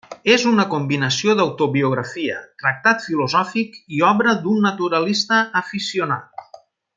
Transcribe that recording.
És una combinació d'autobiografia, tractat filosòfic i obra d'un naturalista aficionat.